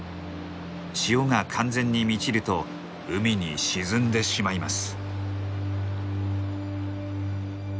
潮が完全に満ちると海に沈んでしまいます。